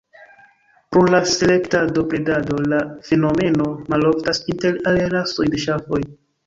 Pro la selektado bredado la fenomeno maloftas inter aliaj rasoj de ŝafoj.